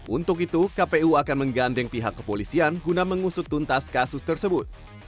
untuk itu kpu akan menggandeng pihak kepolisian guna mengusut tuntas kasus tersebut